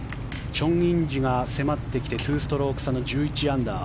チョン・インジが迫ってきて２ストローク差の１１アンダー。